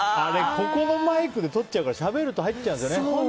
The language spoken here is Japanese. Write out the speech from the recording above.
ここのマイクでとっちゃうからしゃべると入っちゃうんですよね。